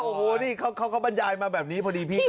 โอ้โหนี่เขาบรรยายมาแบบนี้พอดีพี่